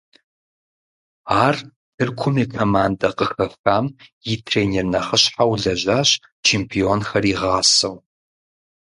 Ар Тыркум и командэ къыхэхам и тренер нэхъыщхьэу лэжьащ, чемпионхэр игъасэу.